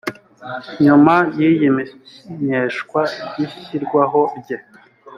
nyuma y iy imenyeshwa ry ishyirwaho rye